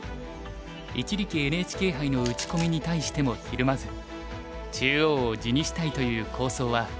一力ＮＨＫ杯の打ち込みに対してもひるまず中央を地にしたいという構想は一貫していました。